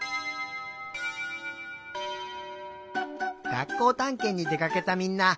がっこうたんけんにでかけたみんな。